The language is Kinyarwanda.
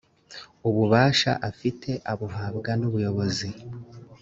ububasha afite abubwa n’ ubuyobozi